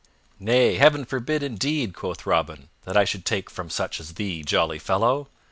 "Nay, Heaven forbid, indeed," quoth Robin, "that I should take from such as thee, jolly fellow!